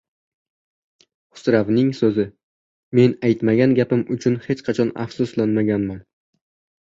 Xusravning so‘zi: “Men aytmagan gapim uchun hech qachon afsuslanmaganman